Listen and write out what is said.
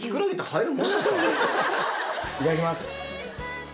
いただきます。